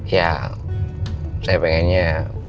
ya saya pengennya